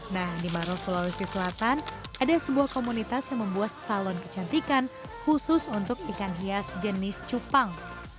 nah di maros sulawesi selatan ada sebuah komunitas yang membuat salon kecantikan khusus untuk ikan hias jenis cupang